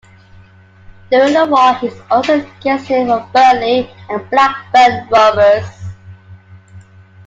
During the war he also guested for Burnley and Blackburn Rovers.